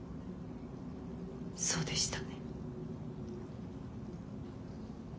そうでしたね。